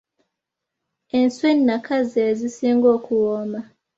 Enswa ennaka ze zisinga okuwooma.